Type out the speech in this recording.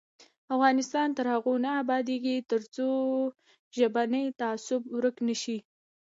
افغانستان تر هغو نه ابادیږي، ترڅو ژبنی تعصب ورک نشي.